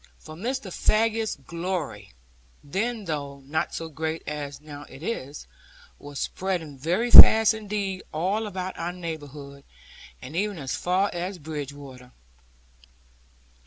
For Mr. Faggus's glory, then, though not so great as now it is, was spreading very fast indeed all about our neighbourhood, and even as far as Bridgewater.